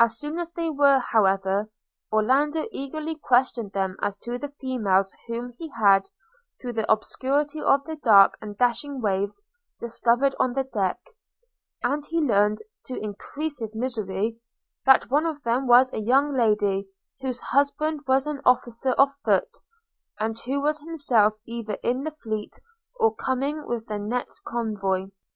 As soon as they were, however, Orlando eagerly questioned them as to the females whom he had, through the obscurity of the dark and dashing waves, discovered on the deck; and he learned, to increase his misery, that one of them was a young lady, whose husband was an officer of foot, and who was himself either in the fleet, or coming with the next convoy.